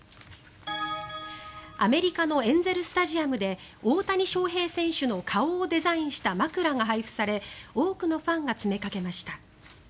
アメリカのエンゼル・スタジアムで大谷翔平選手の顔をデザインした枕が配布され多くのファンが詰めかけました。